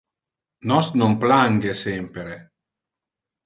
Non nos plange sempre!